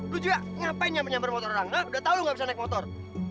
lo juga ngapain nyamper nyamper motor orang udah tau lo ga bisa naik motor